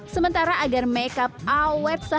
sementara agar makeup awet sehari